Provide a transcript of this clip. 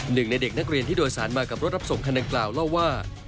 หนึ่งในเด็กนักเรียนที่โดยสารมากับรถรับส่งคันดังกล่าวเล่าว่า